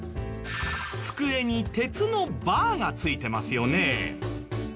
机に鉄のバーがついてますよね。